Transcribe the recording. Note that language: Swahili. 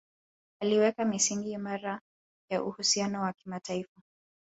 Aliweka misingi imara ya uhusiano wa kimataifa